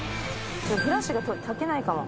フラッシュがたけないかも。